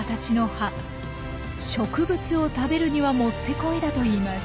植物を食べるにはもってこいだといいます。